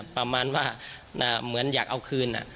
ประมาณว่าอยากเอาคืน